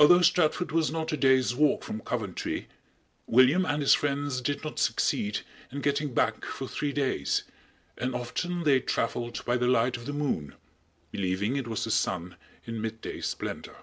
Although Stratford was not a day's walk from Coventry, William and his friends did not succeed in getting back for three days, and often they traveled by the light of the moon believing it was the sun in midday splendor.